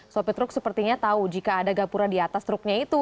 sopir truk sepertinya tahu jika ada gapura di atas truknya itu